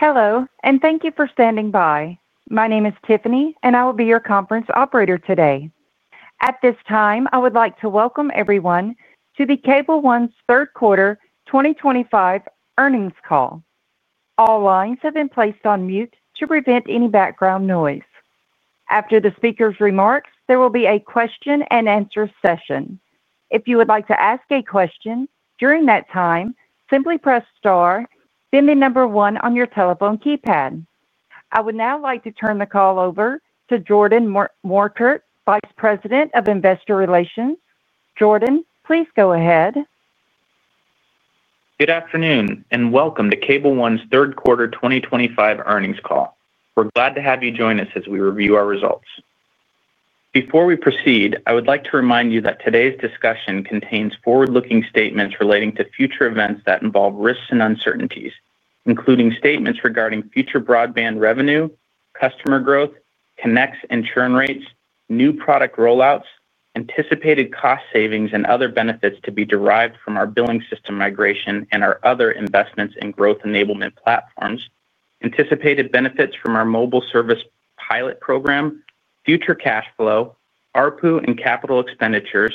Hello, and thank you for standing by. My name is Tiffany, and I will be your conference operator today. At this time, I would like to welcome everyone to the Cable One Third Quarter 2025 Earnings Call. All lines have been placed on mute to prevent any background noise. After the speaker's remarks, there will be a question-and-answer session. If you would like to ask a question during that time, simply press star, then the number one on your telephone keypad. I would now like to turn the call over to Jordan Morkert, Vice President of Investor Relations. Jordan, please go ahead. Good afternoon, and welcome to Cable One's third quarter 2025 earnings call. We're glad to have you join us as we review our results. Before we proceed, I would like to remind you that today's discussion contains forward-looking statements relating to future events that involve risks and uncertainties, including statements regarding future broadband revenue, customer growth, Connex insurance rates, new product rollouts, anticipated cost savings, and other benefits to be derived from our billing system migration and our other investments in growth enablement platforms, anticipated benefits from our mobile service pilot program, future cash flow, ARPU and capital expenditures,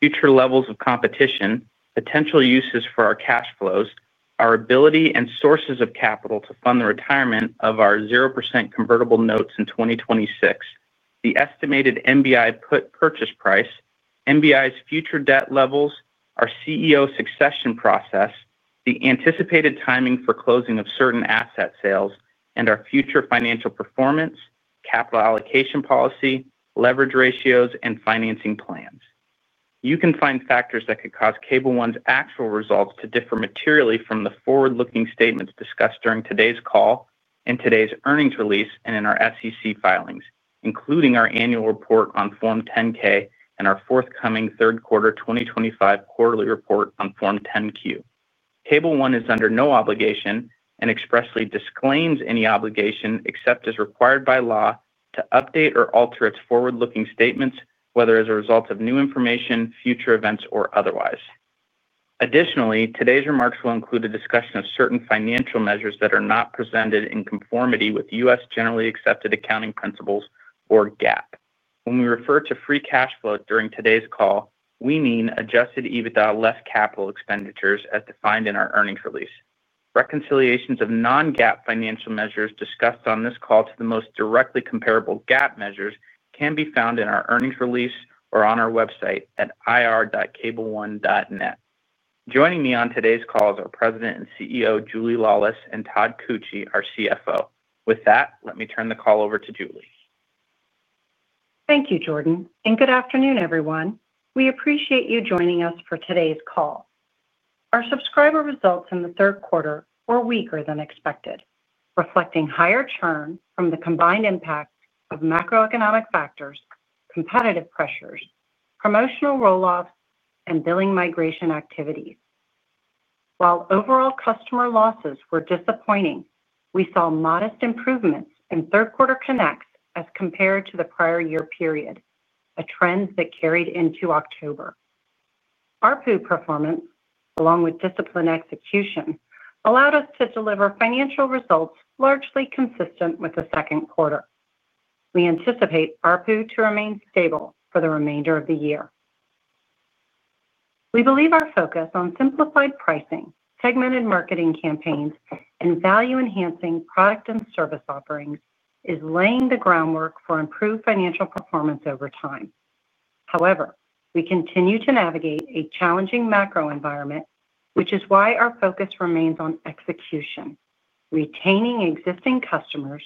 future levels of competition, potential uses for our cash flows, our ability and sources of capital to fund the retirement of our 0% convertible notes in 2026, the estimated NBI put purchase price, NBI's future debt levels, our CEO succession process, the anticipated timing for closing of certain asset sales, and our future financial performance, capital allocation policy, leverage ratios, and financing plans. You can find factors that could cause Cable One's actual results to differ materially from the forward-looking statements discussed during today's call, in today's earnings release, and in our SEC filings, including our annual report on Form 10-K and our forthcoming third quarter 2025 quarterly report on Form 10-Q. Cable One is under no obligation and expressly disclaims any obligation except as required by law to update or alter its forward-looking statements, whether as a result of new information, future events, or otherwise. Additionally, today's remarks will include a discussion of certain financial measures that are not presented in conformity with U.S. generally accepted accounting principles or GAAP. When we refer to free cash flow during today's call, we mean adjusted EBITDA less capital expenditures as defined in our earnings release. Reconciliations of non-GAAP financial measures discussed on this call to the most directly comparable GAAP measures can be found in our earnings release or on our website at ir.cableone.net. Joining me on today's call is our President and CEO, Julie Laulis, and Todd Koetje, our CFO. With that, let me turn the call over to Julie. Thank you, Jordan, and good afternoon, everyone. We appreciate you joining us for today's call. Our subscriber results in the third quarter were weaker than expected, reflecting higher churn from the combined impact of macroeconomic factors, competitive pressures, promotional rollouts, and billing migration activities. While overall customer losses were disappointing, we saw modest improvements in third quarter connects as compared to the prior year period, a trend that carried into October. ARPU performance, along with disciplined execution, allowed us to deliver financial results largely consistent with the second quarter. We anticipate ARPU to remain stable for the remainder of the year. We believe our focus on simplified pricing, segmented marketing campaigns, and value-enhancing product and service offerings is laying the groundwork for improved financial performance over time. However, we continue to navigate a challenging macro environment, which is why our focus remains on execution, retaining existing customers,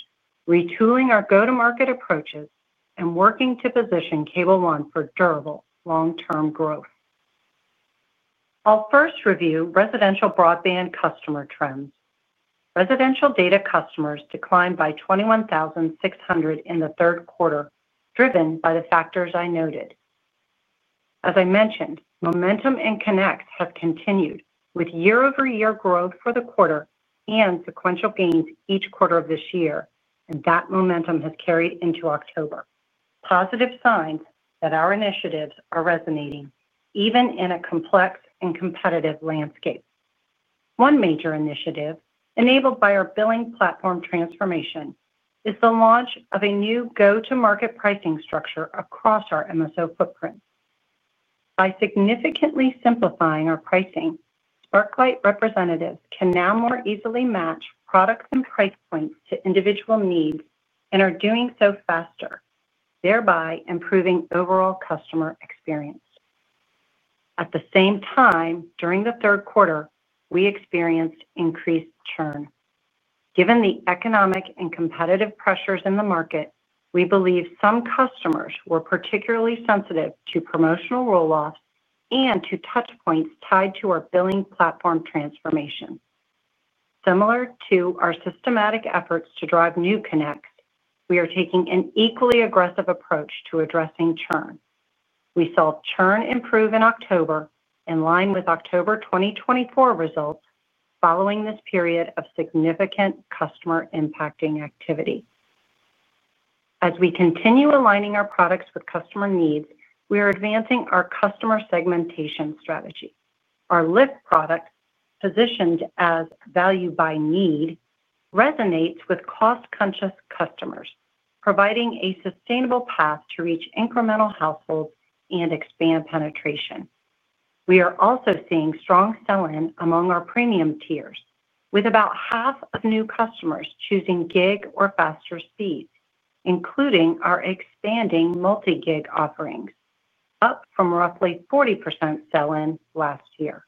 retooling our go-to-market approaches, and working to position Cable One for durable long-term growth. I'll first review residential broadband customer trends. Residential data customers declined by 21,600 in the third quarter, driven by the factors I noted. As I mentioned, momentum in Connects has continued with year-over-year growth for the quarter and sequential gains each quarter of this year, and that momentum has carried into October, positive signs that our initiatives are resonating even in a complex and competitive landscape. One major initiative, enabled by our billing platform transformation, is the launch of a new go-to-market pricing structure across our MSO footprint. By significantly simplifying our pricing, Sparklight representatives can now more easily match products and price points to individual needs and are doing so faster, thereby improving overall customer experience. At the same time, during the third quarter, we experienced increased churn. Given the economic and competitive pressures in the market, we believe some customers were particularly sensitive to promotional rollouts and to touch points tied to our billing platform transformation. Similar to our systematic efforts to drive new connects, we are taking an equally aggressive approach to addressing churn. We saw churn improve in October in line with October 2024 results following this period of significant customer-impacting activity. As we continue aligning our products with customer needs, we are advancing our customer segmentation strategy. Our LIFT product, positioned as value by need, resonates with cost-conscious customers, providing a sustainable path to reach incremental households and expand penetration. We are also seeing strong sell-in among our premium tiers, with about half of new customers choosing gig or faster speeds, including our expanding multi-gig offerings, up from roughly 40% sell-in last year.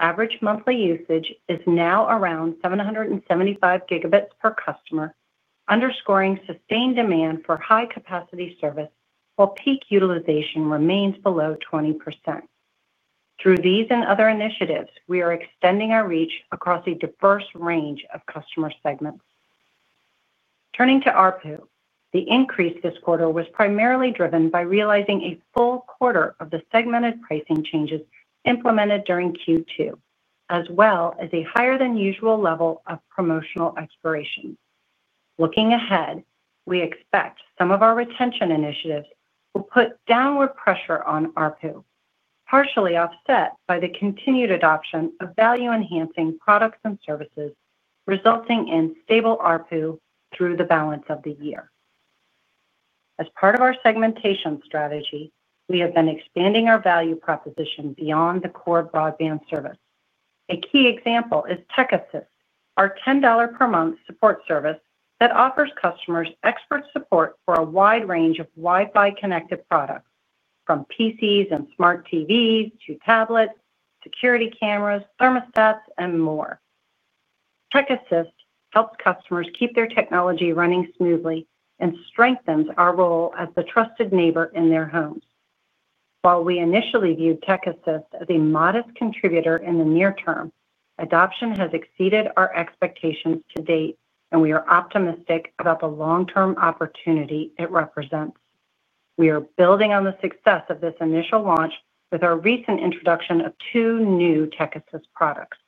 Average monthly usage is now around 775 Gb per customer, underscoring sustained demand for high-capacity service while peak utilization remains below 20%. Through these and other initiatives, we are extending our reach across a diverse range of customer segments. Turning to ARPU, the increase this quarter was primarily driven by realizing a full quarter of the segmented pricing changes implemented during Q2, as well as a higher-than-usual level of promotional expiration. Looking ahead, we expect some of our retention initiatives will put downward pressure on ARPU, partially offset by the continued adoption of value-enhancing products and services, resulting in stable ARPU through the balance of the year. As part of our segmentation strategy, we have been expanding our value proposition beyond the core broadband service. A key example is TechAssist, our $10 per month support service that offers customers expert support for a wide range of Wi-Fi-connected products, from PCs and smart TVs to tablets, security cameras, thermostats, and more. TechAssist helps customers keep their technology running smoothly and strengthens our role as the trusted neighbor in their homes. While we initially viewed TechAssist as a modest contributor in the near term, adoption has exceeded our expectations to date, and we are optimistic about the long-term opportunity it represents. We are building on the success of this initial launch with our recent introduction of two new TechAssist products,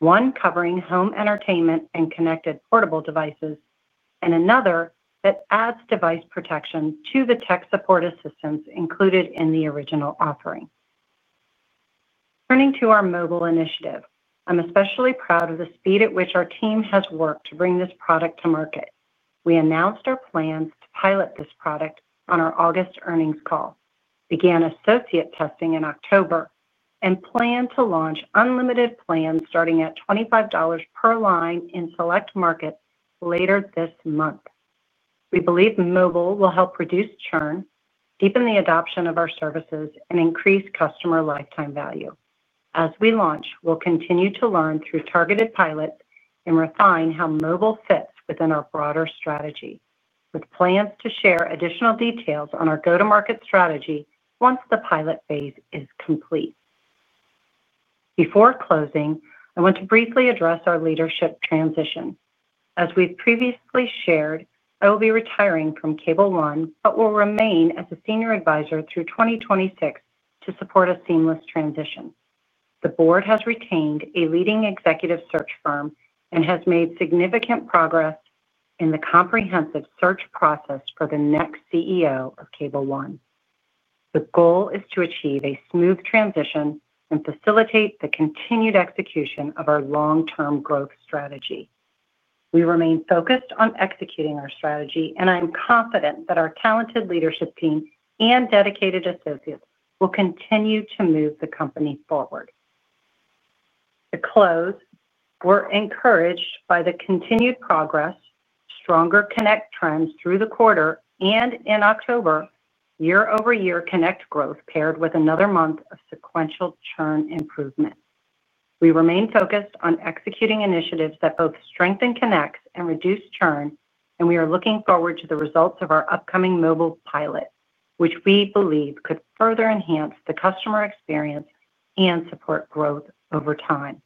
one covering home entertainment and connected portable devices, and another that adds device protection to the tech support assistance included in the original offering. Turning to our mobile initiative, I'm especially proud of the speed at which our team has worked to bring this product to market. We announced our plans to pilot this product on our August earnings call, began associate testing in October, and plan to launch unlimited plans starting at $25 per line in select markets later this month. We believe mobile will help reduce churn, deepen the adoption of our services, and increase customer lifetime value. As we launch, we'll continue to learn through targeted pilots and refine how mobile fits within our broader strategy, with plans to share additional details on our go-to-market strategy once the pilot phase is complete. Before closing, I want to briefly address our leadership transition. As we've previously shared, I will be retiring from Cable One but will remain as a senior advisor through 2026 to support a seamless transition. The board has retained a leading executive search firm and has made significant progress in the comprehensive search process for the next CEO of Cable One. The goal is to achieve a smooth transition and facilitate the continued execution of our long-term growth strategy. We remain focused on executing our strategy, and I'm confident that our talented leadership team and dedicated associates will continue to move the company forward. To close, we're encouraged by the continued progress, stronger Connects trends through the quarter, and in October, year-over-year Connects growth paired with another month of sequential churn improvement. We remain focused on executing initiatives that both strengthen Connects and reduce churn, and we are looking forward to the results of our upcoming mobile pilot, which we believe could further enhance the customer experience and support growth over time.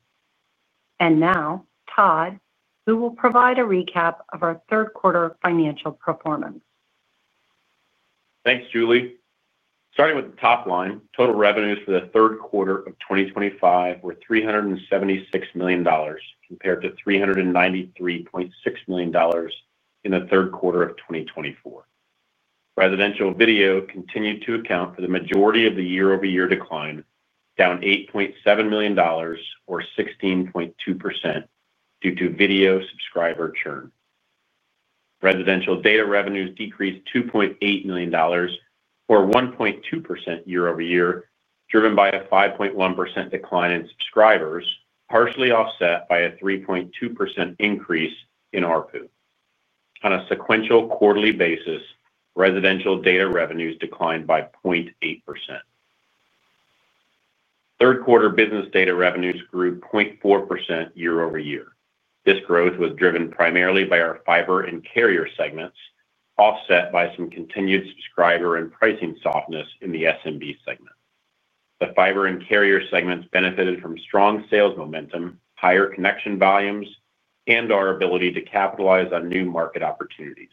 Todd, who will provide a recap of our third quarter financial performance. Thanks, Julie. Starting with the top line, total revenues for the third quarter of 2025 were $376 million, compared to $393.6 million in the third quarter of 2024. Residential video continued to account for the majority of the year-over-year decline, down $8.7 million, or 16.2%, due to video subscriber churn. Residential data revenues decreased $2.8 million, or 1.2% year-over-year, driven by a 5.1% decline in subscribers, partially offset by a 3.2% increase in ARPU. On a sequential quarterly basis, residential data revenues declined by 0.8%. Third quarter business data revenues grew 0.4% year-over-year. This growth was driven primarily by our fiber and carrier segments, offset by some continued subscriber and pricing softness in the SMB segment. The fiber and carrier segments benefited from strong sales momentum, higher connection volumes, and our ability to capitalize on new market opportunities.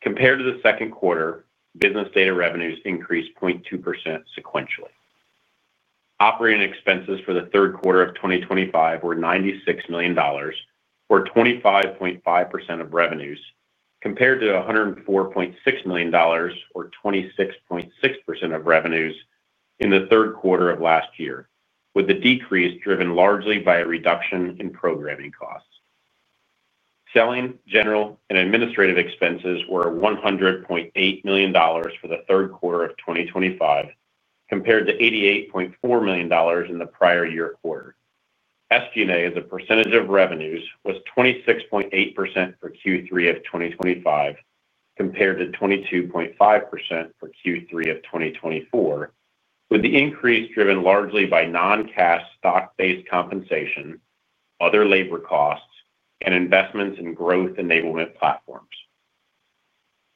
Compared to the second quarter, business data revenues increased 0.2% sequentially. Operating expenses for the third quarter of 2025 were $96 million, or 25.5% of revenues, compared to $104.6 million, or 26.6% of revenues in the third quarter of last year, with the decrease driven largely by a reduction in programming costs. Selling, general, and administrative expenses were $100.8 million for the third quarter of 2025, compared to $88.4 million in the prior year quarter. SG&A as a percentage of revenues was 26.8% for Q3 of 2025, compared to 22.5% for Q3 of 2024, with the increase driven largely by non-cash stock-based compensation, other labor costs, and investments in growth enablement platforms.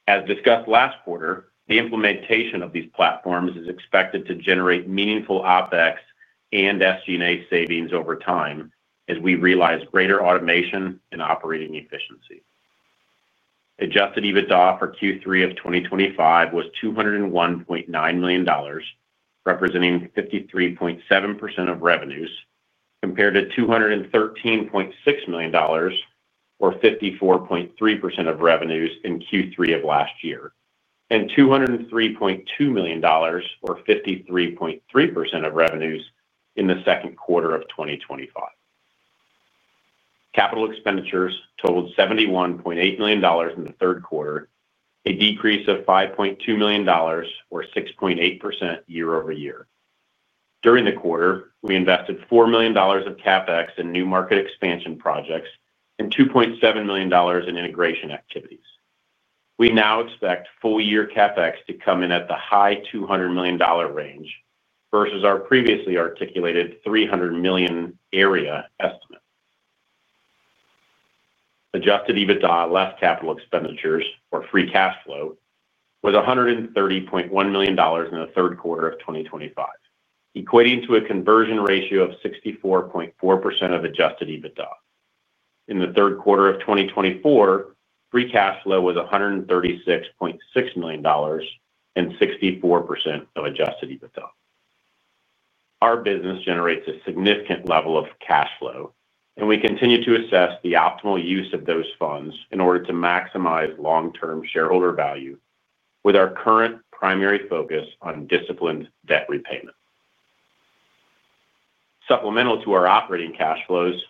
As discussed last quarter, the implementation of these platforms is expected to generate meaningful OpEx and SG&A savings over time as we realize greater automation and operating efficiency. Adjusted EBITDA for Q3 of 2025 was $201.9 million, representing 53.7% of revenues, compared to $213.6 million. Or 54.3% of revenues in Q3 of last year, and $203.2 million, or 53.3% of revenues in the second quarter of 2025. Capital expenditures totaled $71.8 million in the third quarter, a decrease of $5.2 million, or 6.8% year-over-year. During the quarter, we invested $4 million of CapEx in new market expansion projects and $2.7 million in integration activities. We now expect full-year CapEx to come in at the high $200 million range versus our previously articulated $300 million area estimate. Adjusted EBITDA less capital expenditures, or free cash flow, was $130.1 million in the third quarter of 2025, equating to a conversion ratio of 64.4% of adjusted EBITDA. In the third quarter of 2024, free cash flow was $136.6 million. 64% of adjusted EBITDA. Our business generates a significant level of cash flow, and we continue to assess the optimal use of those funds in order to maximize long-term shareholder value, with our current primary focus on disciplined debt repayment. Supplemental to our operating cash flows,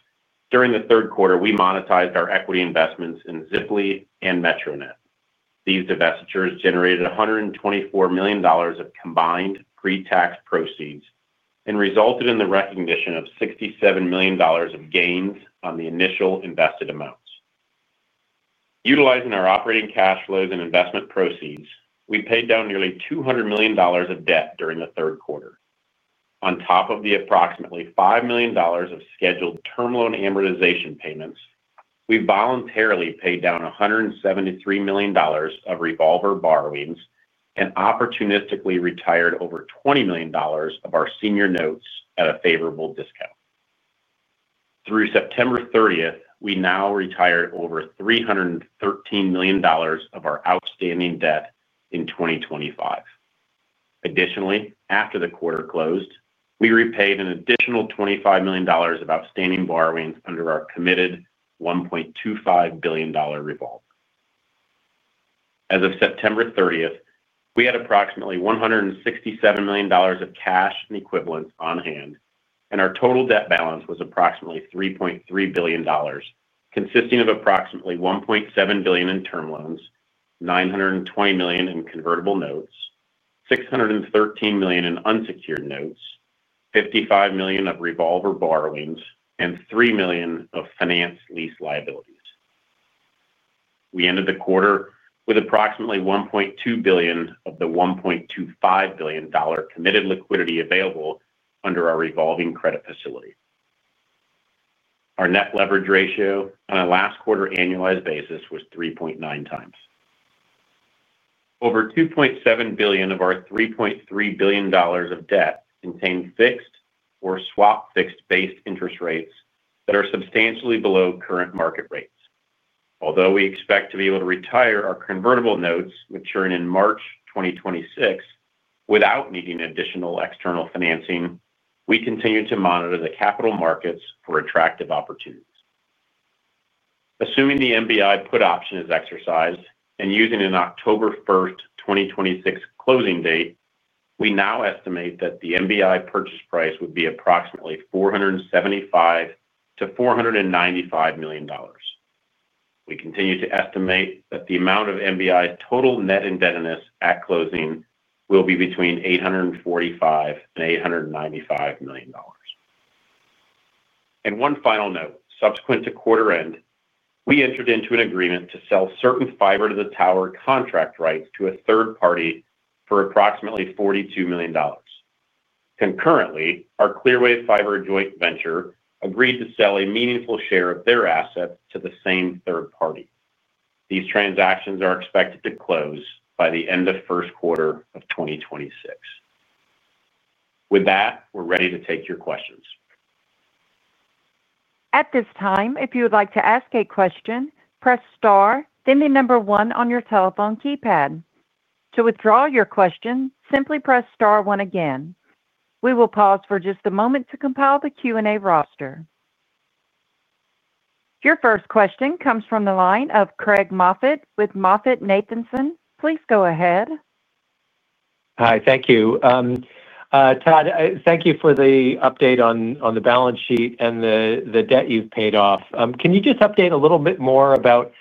during the third quarter, we monetized our equity investments in Ziply and Metronet. These divestitures generated $124 million of combined pre-tax proceeds and resulted in the recognition of $67 million of gains on the initial invested amounts. Utilizing our operating cash flows and investment proceeds, we paid down nearly $200 million of debt during the third quarter. On top of the approximately $5 million of scheduled term loan amortization payments, we voluntarily paid down $173 million of revolver borrowings and opportunistically retired over $20 million of our senior notes at a favorable discount. Through September 30th, we now retired over $313 million of our outstanding debt in 2025. Additionally, after the quarter closed, we repaid an additional $25 million of outstanding borrowings under our committed $1.25 billion revolver. As of September 30th, we had approximately $167 million of cash and equivalents on hand, and our total debt balance was approximately $3.3 billion, consisting of approximately $1.7 billion in term loans, $920 million in convertible notes, $613 million in unsecured notes, $55 million of revolver borrowings, and $3 million of financed lease liabilities. We ended the quarter with approximately $1.2 billion of the $1.25 billion committed liquidity available under our revolving credit facility. Our net leverage ratio on a last quarter annualized basis was 3.9 times. Over $2.7 billion of our $3.3 billion of debt contained fixed or swap-fixed-based interest rates that are substantially below current market rates. Although we expect to be able to retire our convertible notes, which are in March 2026, without needing additional external financing, we continue to monitor the capital markets for attractive opportunities. Assuming the NBI put option is exercised and using an October 1st, 2026 closing date, we now estimate that the NBI purchase price would be approximately $475 million-$495 million. We continue to estimate that the amount of NBI's total net indebtedness at closing will be between $845 million and $895 million. One final note, subsequent to quarter-end, we entered into an agreement to sell certain fiber-to-the-tower contract rights to a third party for approximately $42 million. Concurrently, our Clearwave Fiber Joint Venture agreed to sell a meaningful share of their assets to the same third party. These transactions are expected to close by the end of first quarter of 2026. With that, we're ready to take your questions. At this time, if you would like to ask a question, press star, then the number one on your telephone keypad. To withdraw your question, simply press star one again. We will pause for just a moment to compile the Q&A roster. Your first question comes from the line of Craig Moffett with MoffettNathanson. Please go ahead. Hi, thank you. Todd, thank you for the update on the balance sheet and the debt you've paid off. Can you just update a little bit more about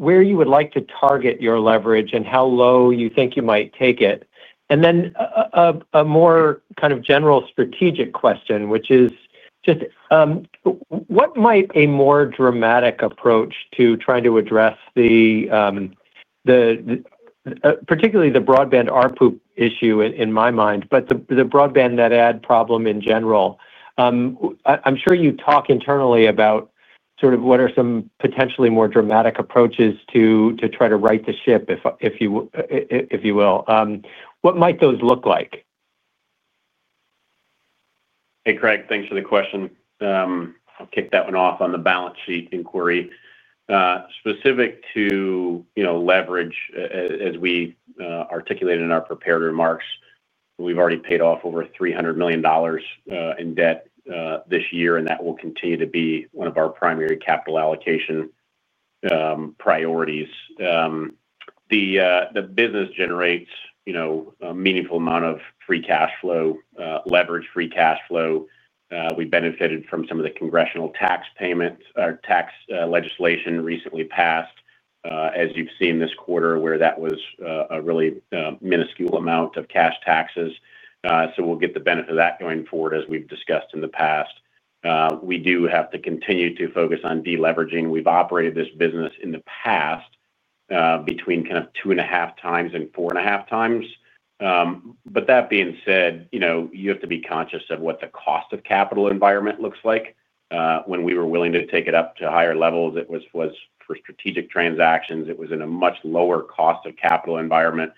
where you would like to target your leverage and how low you think you might take it? A more kind of general strategic question, which is just, what might a more dramatic approach to trying to address the, particularly the broadband ARPU issue in my mind, but the broadband net add problem in general? I'm sure you talk internally about sort of what are some potentially more dramatic approaches to try to right the ship, if you will. What might those look like? Hey, Craig, thanks for the question. I'll kick that one off on the balance sheet inquiry. Specific to leverage, as we articulated in our prepared remarks, we've already paid off over $300 million in debt this year, and that will continue to be one of our primary capital allocation priorities. The business generates a meaningful amount of free cash flow, leveraged free cash flow. We benefited from some of the congressional tax payment or tax legislation recently passed, as you've seen this quarter, where that was a really minuscule amount of cash taxes. We'll get the benefit of that going forward, as we've discussed in the past. We do have to continue to focus on deleveraging. We've operated this business in the past between kind of two and a half times and four and a half times. That being said, you have to be conscious of what the cost of capital environment looks like. When we were willing to take it up to higher levels, it was for strategic transactions. It was in a much lower cost of capital environment.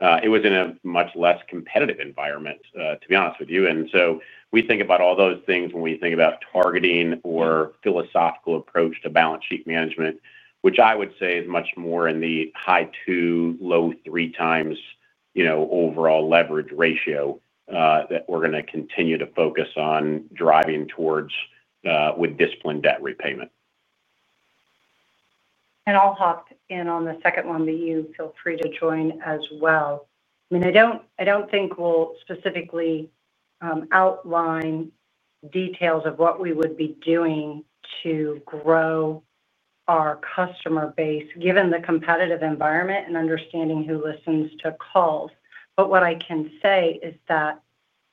It was in a much less competitive environment, to be honest with you. We think about all those things when we think about targeting or philosophical approach to balance sheet management, which I would say is much more in the high two, low three times overall leverage ratio that we're going to continue to focus on driving towards, with disciplined debt repayment. I'll hop in on the second one, but you feel free to join as well. I mean, I don't think we'll specifically outline details of what we would be doing to grow our customer base, given the competitive environment and understanding who listens to calls. What I can say is that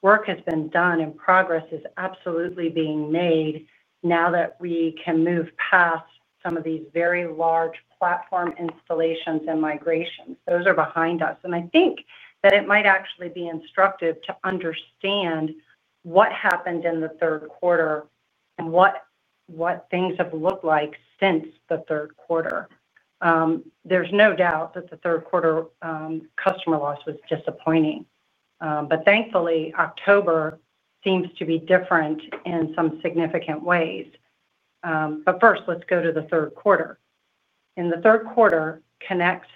work has been done and progress is absolutely being made now that we can move past some of these very large platform installations and migrations. Those are behind us. I think that it might actually be instructive to understand what happened in the third quarter and what things have looked like since the third quarter. There's no doubt that the third quarter customer loss was disappointing. Thankfully, October seems to be different in some significant ways. First, let's go to the third quarter. In the third quarter, Connect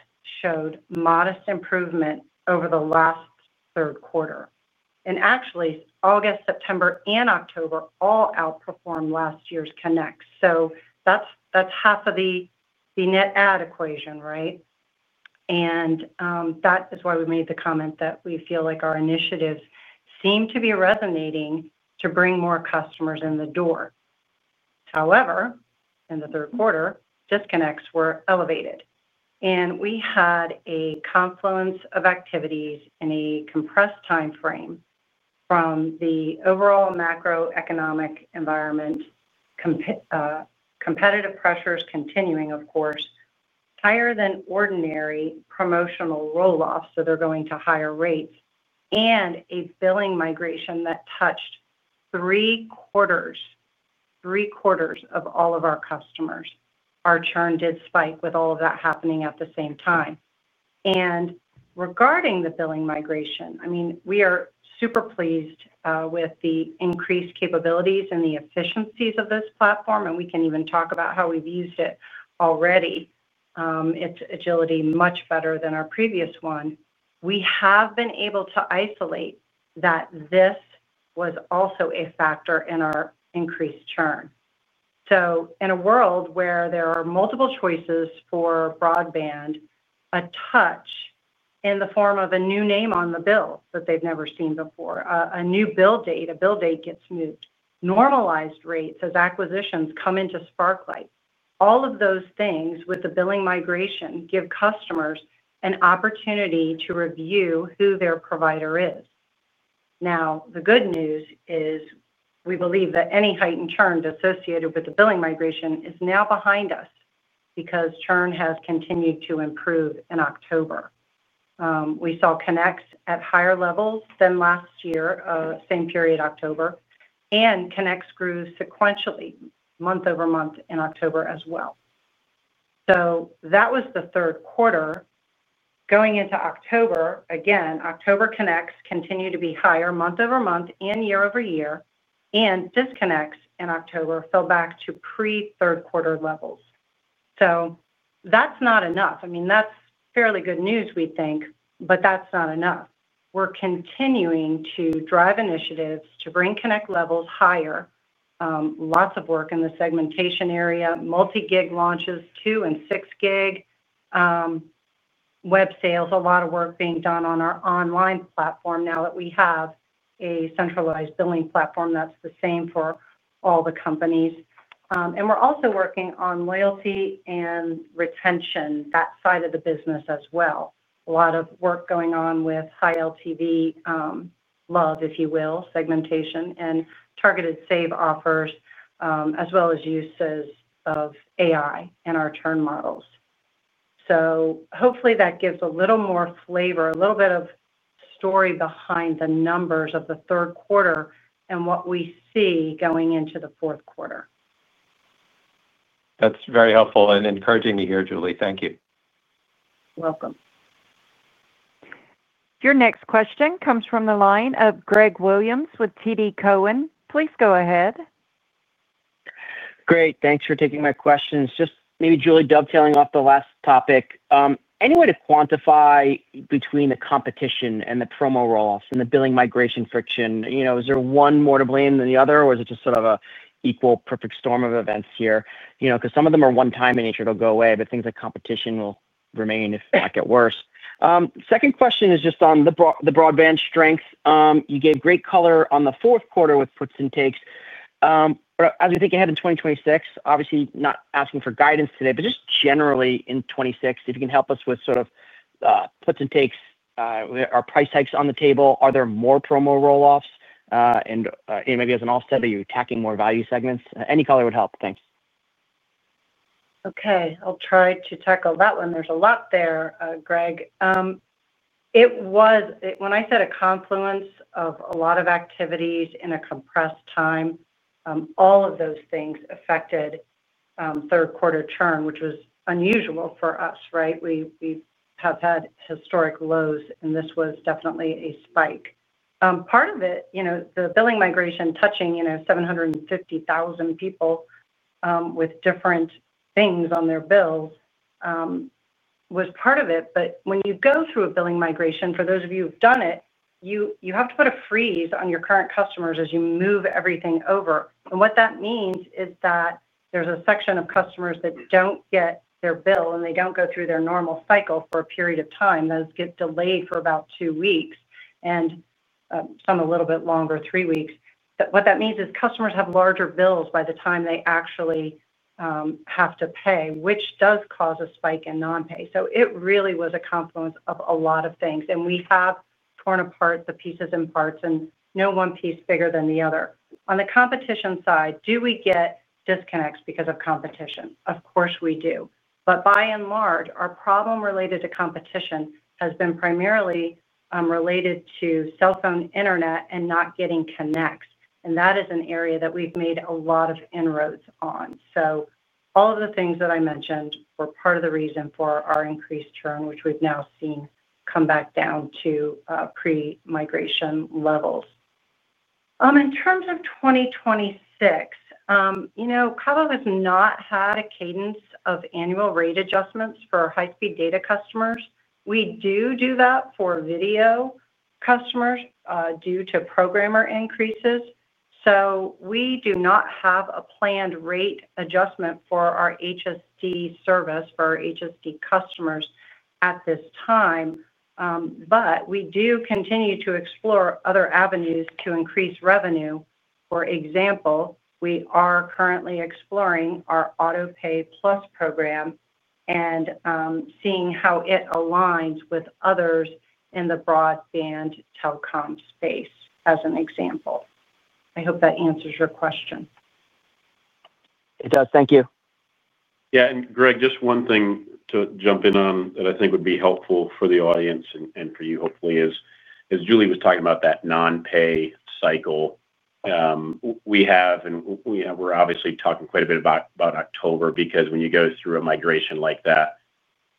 showed modest improvement over the last third quarter. Actually, August, September, and October all outperformed last year's Connect. That is half of the net add equation, right? That is why we made the comment that we feel like our initiatives seem to be resonating to bring more customers in the door. However, in the third quarter, disconnects were elevated. We had a confluence of activities in a compressed timeframe from the overall macroeconomic environment. Competitive pressures continuing, of course, higher than ordinary promotional rolloffs, so they're going to higher rates, and a billing migration that touched three quarters, three quarters of all of our customers. Our churn did spike with all of that happening at the same time. Regarding the billing migration, I mean, we are super pleased with the increased capabilities and the efficiencies of this platform, and we can even talk about how we've used it already. Its agility is much better than our previous one. We have been able to isolate that this was also a factor in our increased churn. In a world where there are multiple choices for broadband, a touch in the form of a new name on the bill that they've never seen before, a new bill date, a bill date gets moved, normalized rates as acquisitions come into Sparklight. All of those things with the billing migration give customers an opportunity to review who their provider is. The good news is we believe that any heightened churn associated with the billing migration is now behind us because churn has continued to improve in October. We saw Connects at higher levels than last year, same period, October, and Connects grew sequentially month over month in October as well. That was the third quarter. Going into October, again, October Connects continue to be higher month over month and year over year, and disconnects in October fell back to pre-third quarter levels. That is not enough. I mean, that is fairly good news, we think, but that is not enough. We are continuing to drive initiatives to bring Connect levels higher. Lots of work in the segmentation area, multi-gig launches, two and six gig. Web sales, a lot of work being done on our online platform now that we have a centralized billing platform that is the same for all the companies. We are also working on loyalty and retention, that side of the business as well. A lot of work going on with high LTV. Love, if you will, segmentation and targeted save offers, as well as uses of AI and our churn models. Hopefully that gives a little more flavor, a little bit of story behind the numbers of the third quarter and what we see going into the fourth quarter. That's very helpful and encouraging to hear, Julie. Thank you. You're welcome. Your next question comes from the line of Greg Williams with TD Cowen. Please go ahead. Great. Thanks for taking my questions. Just maybe, Julie, dovetailing off the last topic. Any way to quantify between the competition and the promo rolloffs and the billing migration friction? Is there one more to blame than the other, or is it just sort of an equal perfect storm of events here? Because some of them are one-time in nature, they'll go away, but things like competition will remain if not get worse. Second question is just on the broadband strength. You gave great color on the fourth quarter with puts and takes. As we think ahead in 2026, obviously not asking for guidance today, but just generally in 2026, if you can help us with sort of. Puts and takes, are price hikes on the table, are there more promo rolloffs? And maybe as an offset, are you attacking more value segments? Any color would help. Thanks. Okay. I'll try to tackle that one. There's a lot there, Greg. When I said a confluence of a lot of activities in a compressed time, all of those things affected third quarter churn, which was unusual for us, right? We have had historic lows, and this was definitely a spike. Part of it, the billing migration touching 750,000 people with different things on their bills, was part of it. When you go through a billing migration, for those of you who've done it, you have to put a freeze on your current customers as you move everything over. What that means is that there's a section of customers that don't get their bill, and they don't go through their normal cycle for a period of time. Those get delayed for about two weeks, and some a little bit longer, three weeks. What that means is customers have larger bills by the time they actually have to pay, which does cause a spike in non-pay. It really was a confluence of a lot of things. We have torn apart the pieces and parts and no one piece bigger than the other. On the competition side, do we get disconnects because of competition? Of course we do. By and large, our problem related to competition has been primarily related to cell phone internet and not getting connects. That is an area that we've made a lot of inroads on. All of the things that I mentioned were part of the reason for our increased churn, which we've now seen come back down to pre-migration levels. In terms of 2026, Cable One has not had a cadence of annual rate adjustments for high-speed data customers. We do that for video customers due to programmer increases. We do not have a planned rate adjustment for our HSD service, for our HSD customers at this time. We do continue to explore other avenues to increase revenue. For example, we are currently exploring our AutoPay Plus program and seeing how it aligns with others in the broadband telecom space, as an example. I hope that answers your question. It does. Thank you. Yeah. Greg, just one thing to jump in on that I think would be helpful for the audience and for you, hopefully, is Julie was talking about that non-pay cycle. We have, and we're obviously talking quite a bit about October because when you go through a migration like that,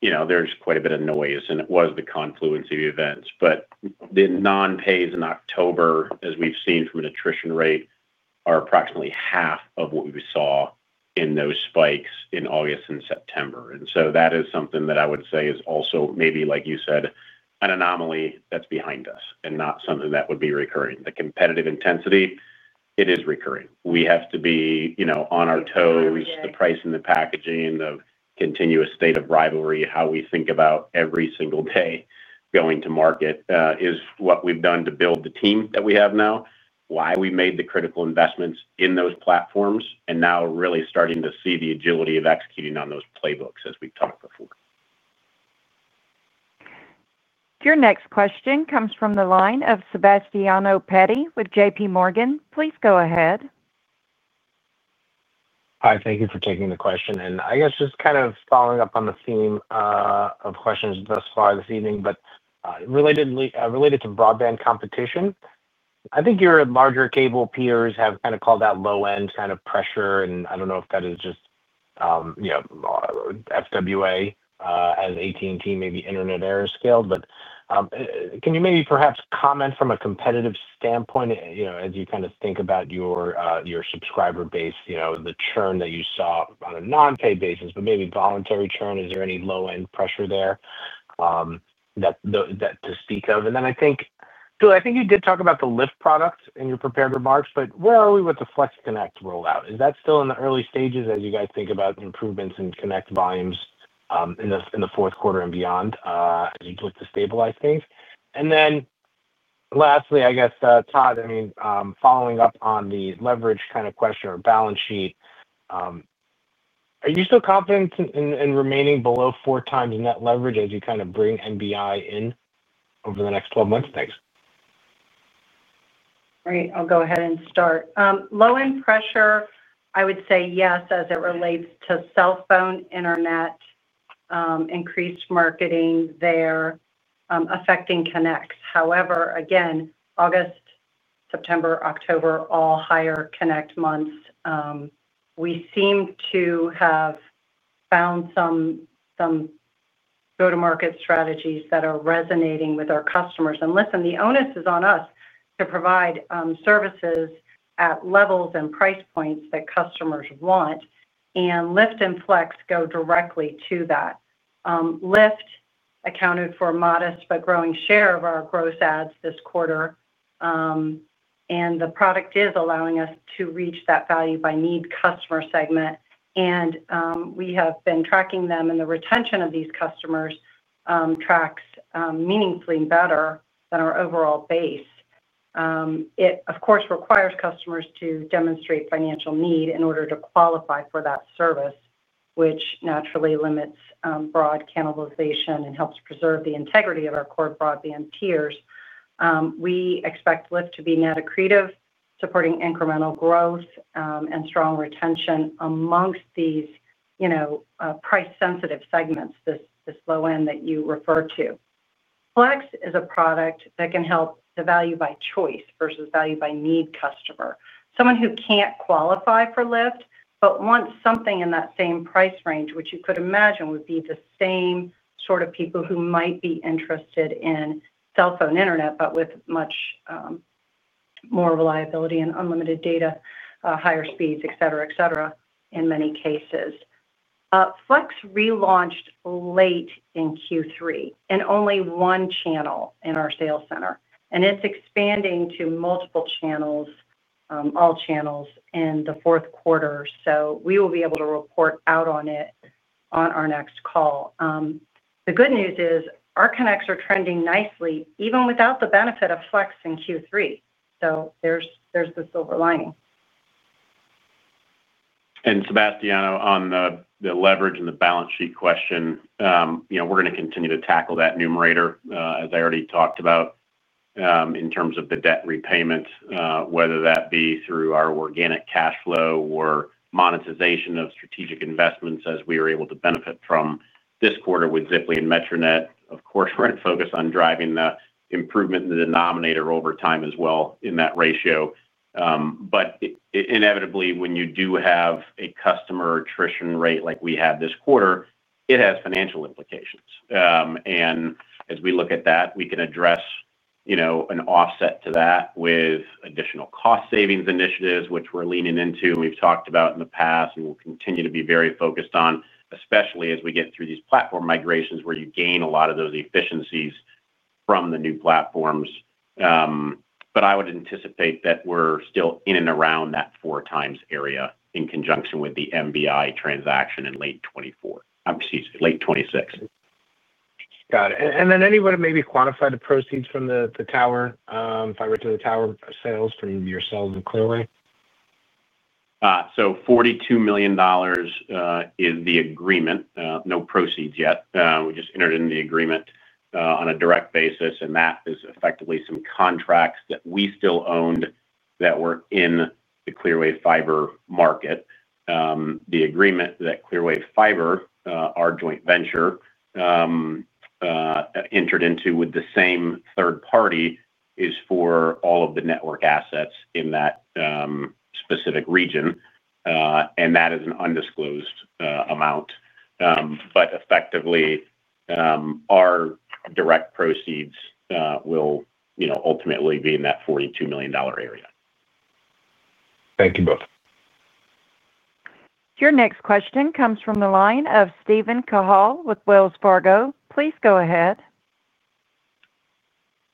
there's quite a bit of noise, and it was the confluence of events. The non-pays in October, as we've seen from an attrition rate, are approximately half of what we saw in those spikes in August and September. That is something that I would say is also maybe, like you said, an anomaly that's behind us and not something that would be recurring. The competitive intensity, it is recurring. We have to be on our toes. The price and the packaging of continuous state of rivalry, how we think about every single day going to market, is what we've done to build the team that we have now, why we made the critical investments in those platforms, and now really starting to see the agility of executing on those playbooks as we've talked before. Your next question comes from the line of Sebastiano Petti with J.P. Morgan. Please go ahead. Hi. Thank you for taking the question. I guess just kind of following up on the theme of questions thus far this evening, but related to broadband competition, I think your larger cable peers have kind of called that low-end kind of pressure. I do not know if that is just FWA as AT&T, maybe Internet Lift scaled. Can you maybe perhaps comment from a competitive standpoint as you kind of think about your subscriber base, the churn that you saw on a non-pay basis, but maybe voluntary churn? Is there any low-end pressure there to speak of? I think, Julie, I think you did talk about the LIFT product in your prepared remarks, but where are we with the FlexConnect rollout? Is that still in the early stages as you guys think about improvements in Connect volumes in the fourth quarter and beyond as you look to stabilize things? Lastly, I guess, Todd, I mean, following up on the leverage kind of question or balance sheet. Are you still confident in remaining below four times net leverage as you kind of bring NBI in over the next 12 months? Thanks. Great. I'll go ahead and start. Low-end pressure, I would say yes as it relates to cell phone internet, increased marketing there, affecting Connects. However, again, August, September, October, all higher Connect months. We seem to have found some go-to-market strategies that are resonating with our customers. Listen, the onus is on us to provide services at levels and price points that customers want. LIFT and Flex go directly to that. LIFT accounted for a modest but growing share of our gross adds this quarter. The product is allowing us to reach that value-by-need customer segment. We have been tracking them, and the retention of these customers tracks meaningfully better than our overall base. It, of course, requires customers to demonstrate financial need in order to qualify for that service, which naturally limits broad cannibalization and helps preserve the integrity of our core broadband tiers. We expect LIFT to be net accretive, supporting incremental growth and strong retention amongst these price-sensitive segments, this low-end that you refer to. Flex is a product that can help the value-by-choice versus value-by-need customer. Someone who can't qualify for LIFT but wants something in that same price range, which you could imagine would be the same sort of people who might be interested in cell phone internet but with much more reliability and unlimited data, higher speeds, etc., etc., in many cases. Flex relaunched late in Q3 in only one channel in our sales center. It is expanding to multiple channels, all channels in the fourth quarter. We will be able to report out on it on our next call. The good news is our Connects are trending nicely even without the benefit of Flex in Q3. There is the silver lining. Sebastiano, on the leverage and the balance sheet question, we're going to continue to tackle that numerator, as I already talked about. In terms of the debt repayment, whether that be through our organic cash flow or monetization of strategic investments as we were able to benefit from this quarter with Ziply and Metronet. Of course, we're going to focus on driving the improvement in the denominator over time as well in that ratio. Inevitably, when you do have a customer attrition rate like we had this quarter, it has financial implications. As we look at that, we can address an offset to that with additional cost savings initiatives, which we're leaning into. We've talked about in the past and will continue to be very focused on, especially as we get through these platform migrations where you gain a lot of those efficiencies from the new platforms. I would anticipate that we're still in and around that four times area in conjunction with the NBI transaction in late 2024. Excuse me, late 2026. Got it. Can anyone maybe quantify the proceeds from the tower? If I refer to the tower sales from your sales and clearly. $42 million is the agreement. No proceeds yet. We just entered in the agreement on a direct basis, and that is effectively some contracts that we still owned that were in the Clearwave Fiber market. The agreement that Clearwave Fiber, our joint venture, entered into with the same third party is for all of the network assets in that specific region, and that is an undisclosed amount. Effectively, our direct proceeds will ultimately be in that $42 million area. Thank you both. Your next question comes from the line of Steven Cahall with Wells Fargo. Please go ahead.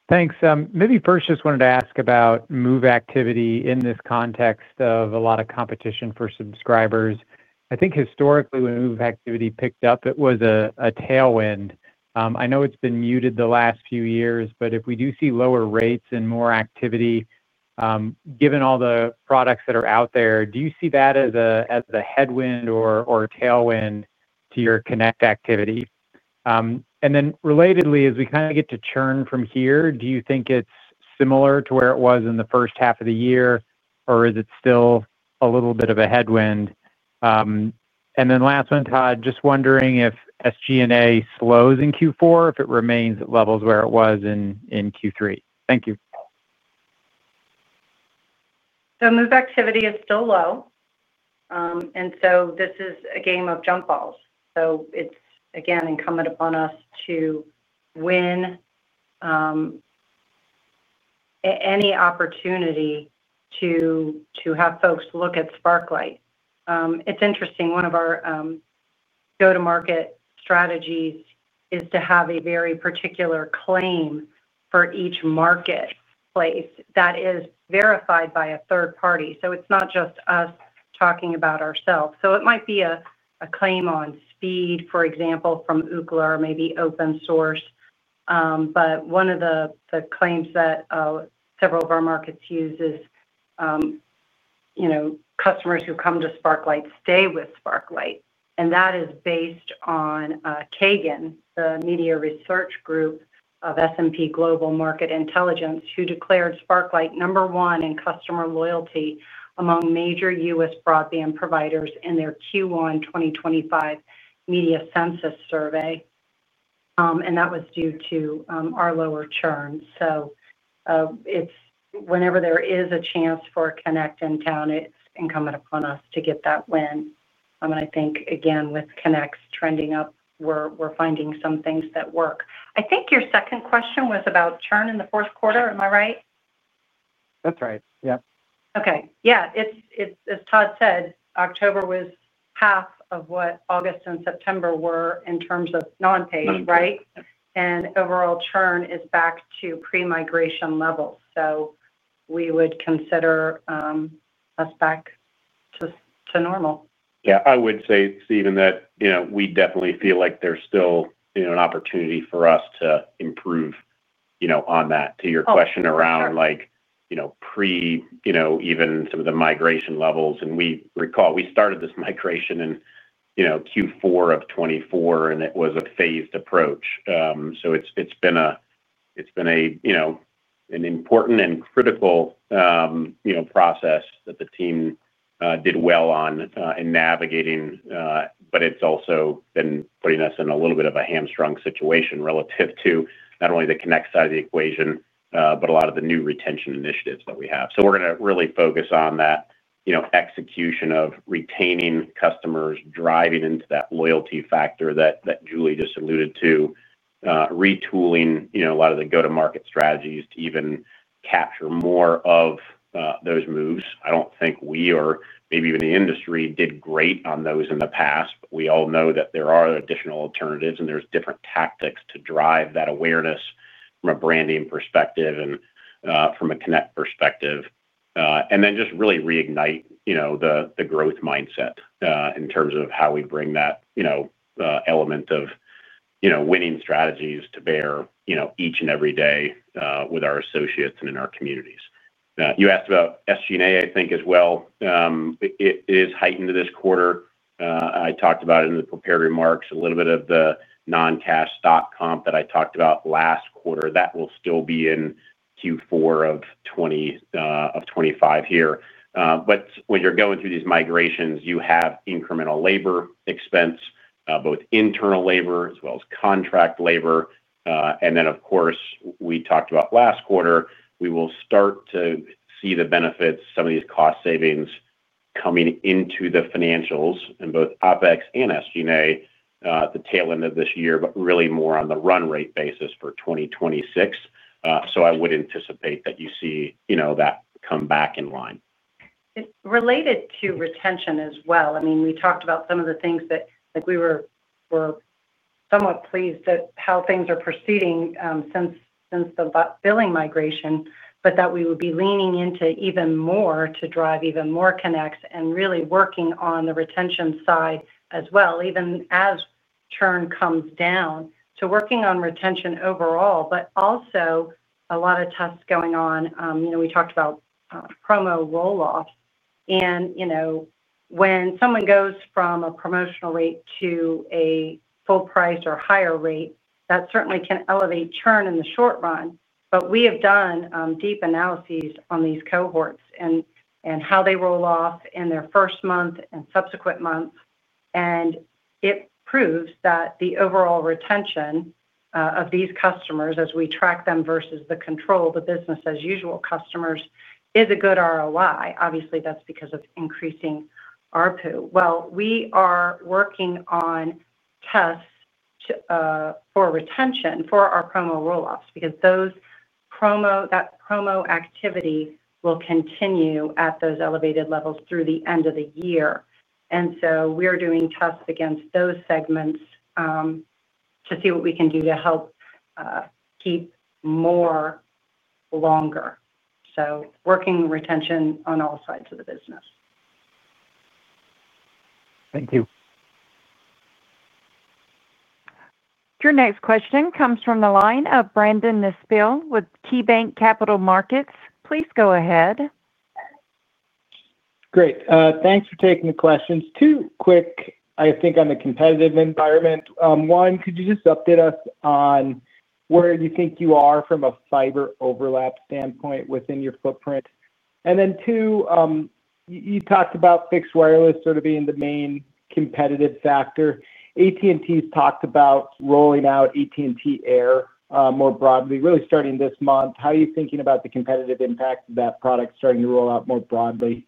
Thanks. Maybe first just wanted to ask about move activity in this context of a lot of competition for subscribers. I think historically, when move activity picked up, it was a tailwind. I know it's been muted the last few years, but if we do see lower rates and more activity, given all the products that are out there, do you see that as a headwind or a tailwind to your Connect activity? Relatedly, as we kind of get to churn from here, do you think it's similar to where it was in the first half of the year, or is it still a little bit of a headwind? Last one, Todd, just wondering if SG&A slows in Q4, if it remains at levels where it was in Q3. Thank you. Move activity is still low. This is a game of jump balls. It is, again, incumbent upon us to win any opportunity to have folks look at Sparklight. It is interesting. One of our go-to-market strategies is to have a very particular claim for each marketplace that is verified by a third party. It is not just us talking about ourselves. It might be a claim on speed, for example, from Ookla or maybe Open Source. One of the claims that several of our markets use is customers who come to Sparklight stay with Sparklight. That is based on Kagan, the media research group of S&P Global Market Intelligence, who declared Sparklight number one in customer loyalty among major U.S. broadband providers in their Q1 2025 media census survey. That was due to our lower churn. Whenever there is a chance for a Connect in town, it's incumbent upon us to get that win. I think, again, with Connects trending up, we're finding some things that work. I think your second question was about churn in the fourth quarter. Am I right? That's right. Yep. Okay. Yeah. As Todd said, October was half of what August and September were in terms of non-pay, right? And overall churn is back to pre-migration levels. So we would consider us back to normal. Yeah. I would say, Steven, that we definitely feel like there's still an opportunity for us to improve on that to your question around, pre-even some of the migration levels. And we recall we started this migration in Q4 of 2024, and it was a phased approach. It's been an important and critical process that the team did well on in navigating, but it's also been putting us in a little bit of a hamstrung situation relative to not only the Connect side of the equation, but a lot of the new retention initiatives that we have. We're going to really focus on that execution of retaining customers, driving into that loyalty factor that Julie just alluded to, retooling a lot of the go-to-market strategies to even capture more of those moves. I do not think we or maybe even the industry did great on those in the past, but we all know that there are additional alternatives, and there are different tactics to drive that awareness from a branding perspective and from a Connect perspective. Just really reignite the growth mindset in terms of how we bring that element of winning strategies to bear each and every day with our associates and in our communities. You asked about SG&A, I think, as well. It is heightened this quarter. I talked about it in the prepared remarks, a little bit of the non-cash stock comp that I talked about last quarter. That will still be in Q4 of 2025 here. When you are going through these migrations, you have incremental labor expense, both internal labor as well as contract labor. Of course, we talked about last quarter, we will start to see the benefits, some of these cost savings coming into the financials in both OpEx and SG&A at the tail end of this year, but really more on the run rate basis for 2026. I would anticipate that you see that come back in line. Related to retention as well, I mean, we talked about some of the things that we were somewhat pleased at how things are proceeding since the billing migration, but that we would be leaning into even more to drive even more Connects and really working on the retention side as well, even as churn comes down, working on retention overall, but also a lot of tests going on. We talked about promo rolloffs. When someone goes from a promotional rate to a full price or higher rate, that certainly can elevate churn in the short run. We have done deep analyses on these cohorts and how they roll off in their first month and subsequent months. It proves that the overall retention of these customers, as we track them versus the control, the business-as-usual customers, is a good ROI. Obviously, that's because of increasing ARPU. We are working on tests for retention for our promo rolloffs because that promo activity will continue at those elevated levels through the end of the year. We are doing tests against those segments to see what we can do to help keep more, longer. Working retention on all sides of the business. Thank you. Your next question comes from the line of Brandon Nispel with KeyBanc Capital Markets. Please go ahead. Great. Thanks for taking the questions. Two quick, I think, on the competitive environment. One, could you just update us on where you think you are from a fiber overlap standpoint within your footprint? And then two, you talked about fixed wireless sort of being the main competitive factor. AT&T's talked about rolling out AT&T Air more broadly, really starting this month. How are you thinking about the competitive impact of that product starting to roll out more broadly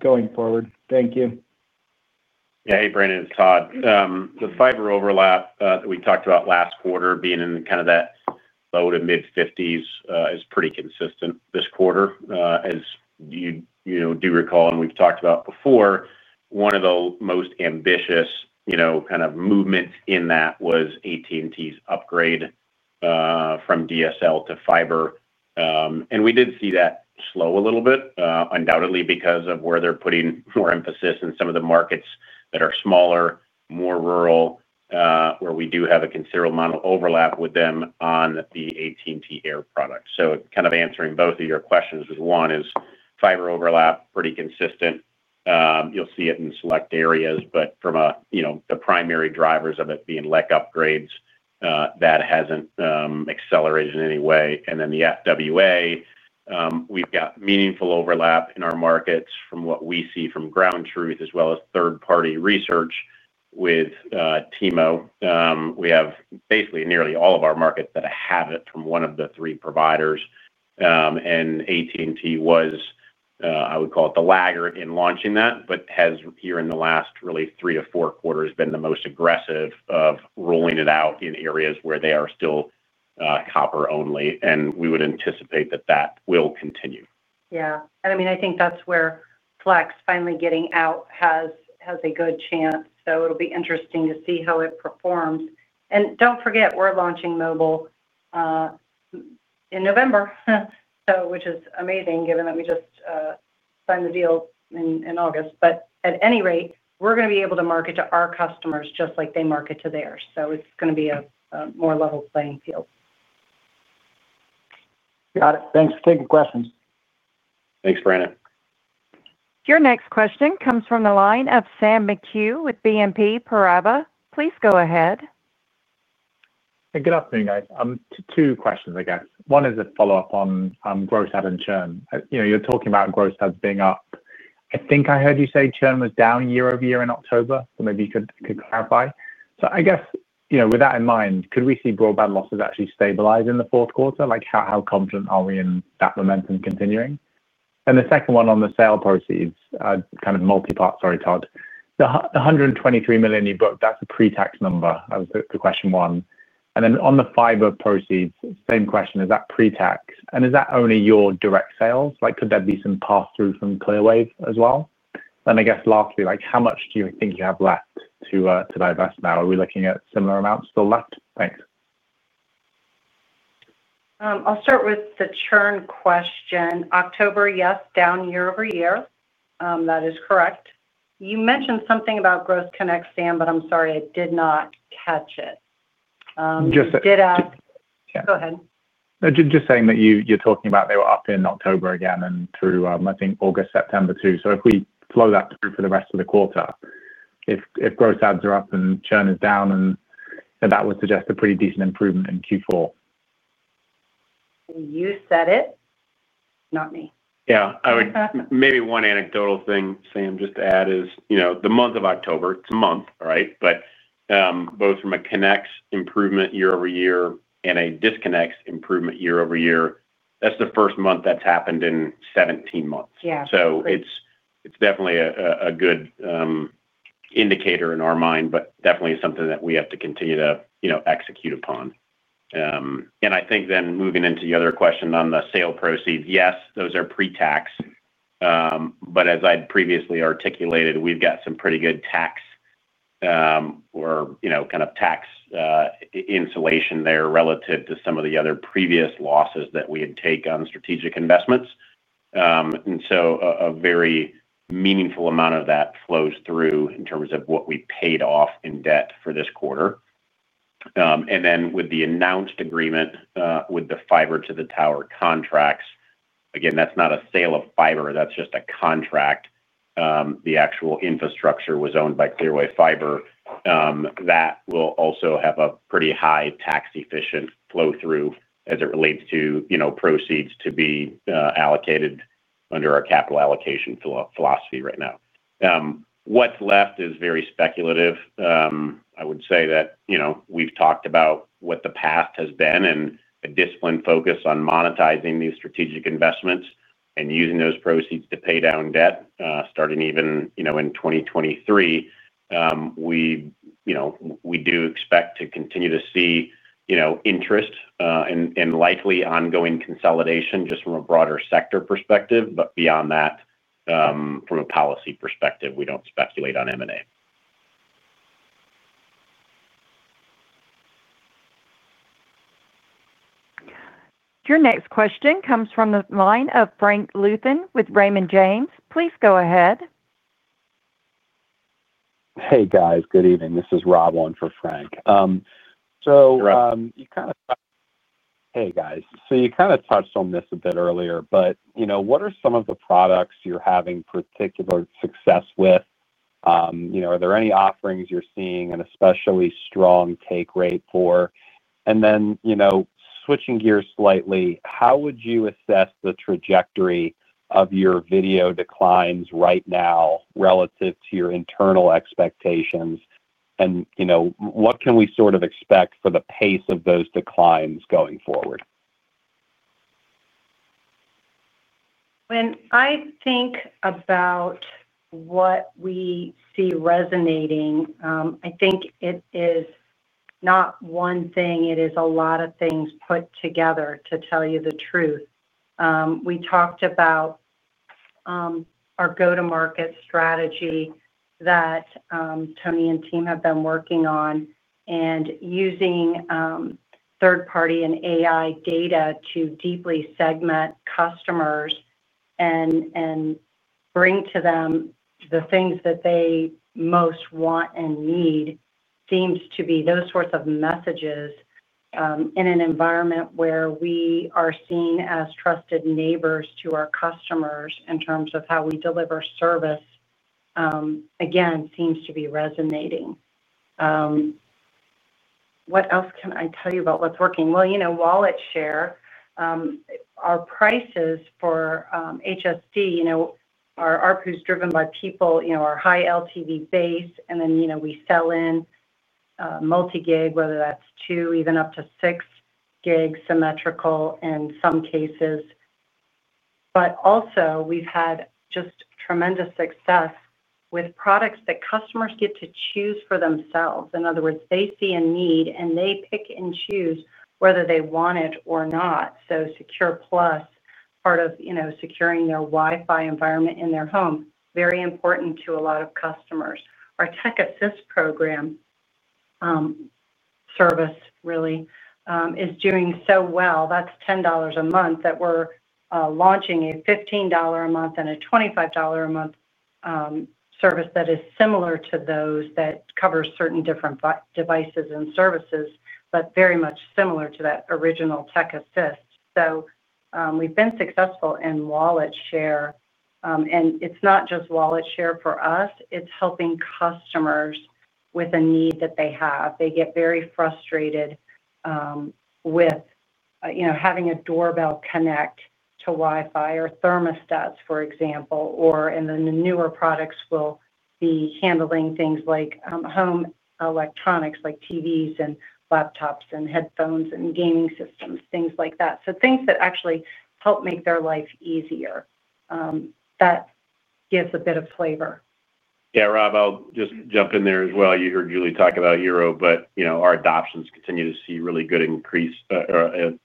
going forward? Thank you. Yeah. Hey, Brandon. It's Todd. The fiber overlap that we talked about last quarter being in kind of that low to mid-50s is pretty consistent this quarter. As you do recall, and we've talked about before, one of the most ambitious kind of movements in that was AT&T's upgrade from DSL to fiber. We did see that slow a little bit, undoubtedly because of where they're putting more emphasis in some of the markets that are smaller, more rural, where we do have a considerable amount of overlap with them on the AT&T Air product. Kind of answering both of your questions, one is fiber overlap, pretty consistent. You'll see it in select areas, but from the primary drivers of it being LEC upgrades, that hasn't accelerated in any way. Then the FWA. We've got meaningful overlap in our markets from what we see from Ground Truth as well as third-party research with TEMO. We have basically nearly all of our markets that have it from one of the three providers. AT&T was, I would call it, the laggard in launching that, but has here in the last really three to four quarters been the most aggressive of rolling it out in areas where they are still copper-only. We would anticipate that that will continue. Yeah. I mean, I think that's where Flex finally getting out has a good chance. It will be interesting to see how it performs. Do not forget, we're launching mobile in November, which is amazing given that we just signed the deal in August. At any rate, we're going to be able to market to our customers just like they market to theirs. It is going to be a more level playing field. Got it. Thanks for taking questions. Thanks, Brandon. Your next question comes from the line of Sam McHugh with BNP Paribas. Please go ahead. Good afternoon, guys. Two questions, I guess. One is a follow-up on growth and churn. You're talking about growth has been up. I think I heard you say churn was down year-over-year in October. Maybe you could clarify. I guess with that in mind, could we see broadband losses actually stabilize in the fourth quarter? How confident are we in that momentum continuing? The second one on the sale proceeds, kind of multipart. Sorry, Todd. The $123 million you booked, that's a pre-tax number, question one. On the fiber proceeds, same question. Is that pre-tax? Is that only your direct sales? Could there be some pass-through from Clearwave as well? Lastly, how much do you think you have left to divest now? Are we looking at similar amounts still left? Thanks. I'll start with the churn question. October, yes, down year-over-year. That is correct. You mentioned something about growth connect, Sam, but I'm sorry, I did not catch it. Just. Did ask. Go ahead. Just saying that you're talking about they were up in October again and through, I think, August, September too. If we flow that through for the rest of the quarter, if gross adds are up and churn is down, then that would suggest a pretty decent improvement in Q4. You said it. Not me. Yeah. Maybe one anecdotal thing, Sam, just to add is the month of October. Month, right? Both from a connect improvement year-over-year and a disconnect improvement year-over-year, that's the first month that's happened in 17 months. It is definitely a good indicator in our mind, but definitely something that we have to continue to execute upon. I think then moving into the other question on the sale proceeds, yes, those are pre-tax. As I previously articulated, we've got some pretty good tax insulation there relative to some of the other previous losses that we had taken on strategic investments. A very meaningful amount of that flows through in terms of what we paid off in debt for this quarter. With the announced agreement with the fiber to the tower contracts, again, that's not a sale of fiber. That's just a contract. The actual infrastructure was owned by Clearwave Fiber. That will also have a pretty high tax-efficient flow-through as it relates to proceeds to be allocated under our capital allocation philosophy right now. What's left is very speculative. I would say that we've talked about what the past has been and a disciplined focus on monetizing these strategic investments and using those proceeds to pay down debt starting even in 2023. We do expect to continue to see interest and likely ongoing consolidation just from a broader sector perspective. Beyond that, from a policy perspective, we don't speculate on M&A. Your next question comes from the line of Frank Louthan with Raymond James. Please go ahead. Hey, guys. Good evening. This is Rob Wong for Frank. Hey, Rob. You kind of. Hey, guys. You kind of touched on this a bit earlier, but what are some of the products you're having particular success with? Are there any offerings you're seeing an especially strong take rate for? Switching gears slightly, how would you assess the trajectory of your video declines right now relative to your internal expectations? What can we sort of expect for the pace of those declines going forward? When I think about what we see resonating, I think it is not one thing. It is a lot of things put together, to tell you the truth. We talked about our go-to-market strategy that Tony and team have been working on, and using third-party and AI data to deeply segment customers and bring to them the things that they most want and need seems to be those sorts of messages. In an environment where we are seen as trusted neighbors to our customers in terms of how we deliver service, again, seems to be resonating. What else can I tell you about what's working? Wallet share. Our prices for HSD. Our ARPU is driven by people. Our high LTV base. And then we sell in multi-gig, whether that's two, even up to six gig symmetrical in some cases. Also, we've had just tremendous success with products that customers get to choose for themselves. In other words, they see a need, and they pick and choose whether they want it or not. SecurePlus, part of securing their Wi-Fi environment in their home, is very important to a lot of customers. Our TechAssist program service really is doing so well. That's $10 a month, and we're launching a $15 a month and a $25 a month service that is similar to those, that cover certain different devices and services, but very much similar to that original TechAssist. We've been successful in wallet share. It's not just wallet share for us. It's helping customers with a need that they have. They get very frustrated with. Having a doorbell connect to Wi-Fi or thermostats, for example, or in the newer products will be handling things like home electronics, like TVs and laptops and headphones and gaming systems, things like that. Things that actually help make their life easier. That gives a bit of flavor. Yeah, Rob, I'll just jump in there as well. You heard Julie talk about Eero, but our adoptions continue to see really good, increasing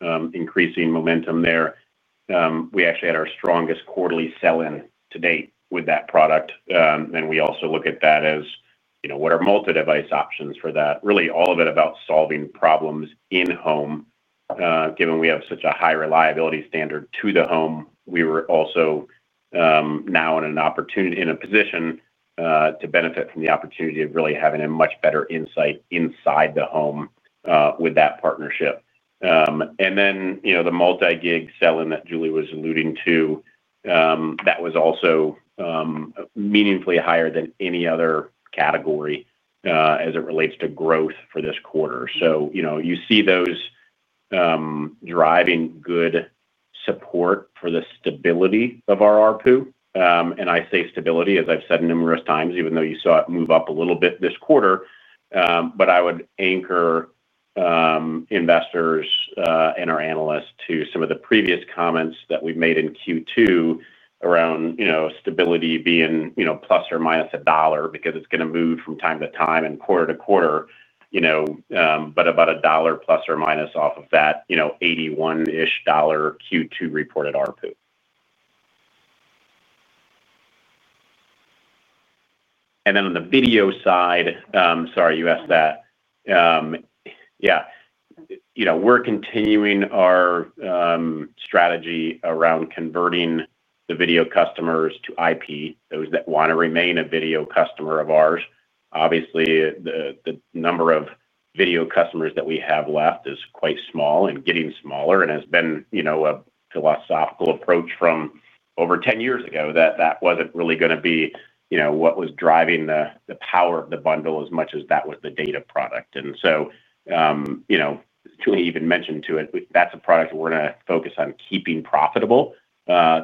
momentum there. We actually had our strongest quarterly sell-in to date with that product. We also look at that as what are multi-device options for that. Really, all of it about solving problems in home. Given we have such a high reliability standard to the home, we are also now in a position to benefit from the opportunity of really having a much better insight inside the home with that partnership. The multi-gig sell-in that Julie was alluding to was also meaningfully higher than any other category as it relates to growth for this quarter. You see those driving good support for the stability of our ARPU. I say stability, as I've said numerous times, even though you saw it move up a little bit this quarter. I would anchor investors and our analysts to some of the previous comments that we've made in Q2 around stability being plus or minus a dollar because it's going to move from time-to-time and quarter-to-quarter. About a dollar plus or minus off of that $81-ish Q2 reported ARPU. On the video side, sorry, you asked that. Yeah. We're continuing our strategy around converting the video customers to IP, those that want to remain a video customer of ours. Obviously, the number of video customers that we have left is quite small and getting smaller and has been a philosophical approach from over 10 years ago that that wasn't really going to be what was driving the power of the bundle as much as that was the data product. Julie even mentioned to it, that's a product we're going to focus on keeping profitable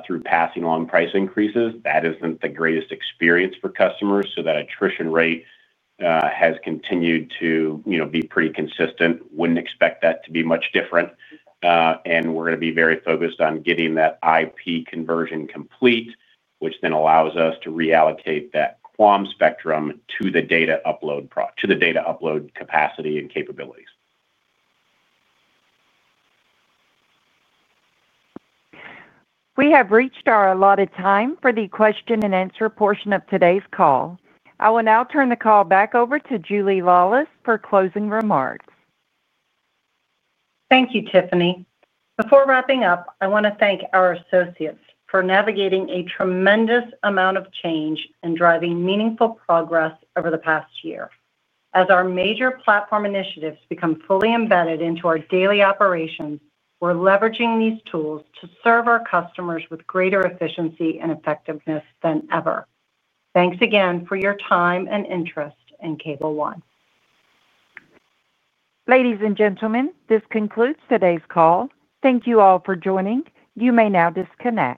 through passing on price increases. That isn't the greatest experience for customers. That attrition rate has continued to be pretty consistent. Wouldn't expect that to be much different. We're going to be very focused on getting that IP conversion complete, which then allows us to reallocate that QAM spectrum to the data upload capacity and capabilities. We have reached our allotted time for the question and answer portion of today's call. I will now turn the call back over to Julie Laulis for closing remarks. Thank you, Tiffany. Before wrapping up, I want to thank our associates for navigating a tremendous amount of change and driving meaningful progress over the past year. As our major platform initiatives become fully embedded into our daily operations, we are leveraging these tools to serve our customers with greater efficiency and effectiveness than ever. Thanks again for your time and interest in Cable One. Ladies and gentlemen, this concludes today's call. Thank you all for joining. You may now disconnect.